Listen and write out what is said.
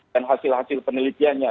dan hasil hasil penelitiannya